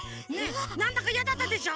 なんだかいやだったでしょ？